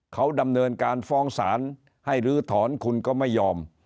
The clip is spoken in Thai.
เขาดำเนินการฟ้องศาลให้ลื้อถอนคุณก็ไม่ยอม